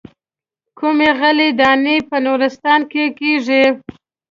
کومې غلې دانې په نورستان کې کېږي.